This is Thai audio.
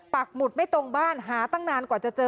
ปากหมุดไม่ตรงบ้านหาตั้งนานกว่าจะเจอ